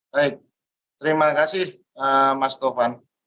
baik terima kasih mas tovan